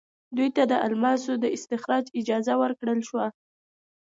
دوی ته د الماسو د استخراج اجازه ورکړل شوه.